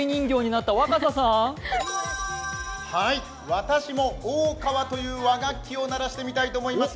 私も大皮という和楽器を鳴らしてみたいと思います。